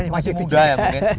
masih muda ya mungkin